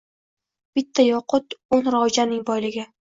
Bitta yoqut oʻn rojaning boyligi